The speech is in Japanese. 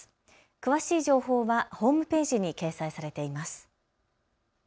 詳しい情報はホームページに掲載されています。